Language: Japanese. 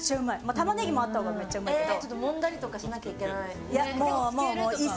タマネギもあったほうがめっちゃうまいけど。